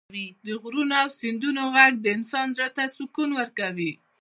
د غرونو او سیندونو غږ د انسان زړه ته سکون ورکوي.